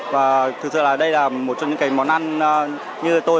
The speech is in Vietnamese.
và thực sự là đây là một trong những cái món ăn như tôi